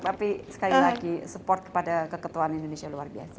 tapi sekali lagi support kepada keketuaan indonesia luar biasa